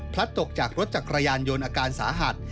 พลัดตกจากรถจักรยานโยนอาการสาหัส